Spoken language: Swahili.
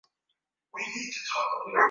uliofanyika hivi karibuni huko nchini tanzania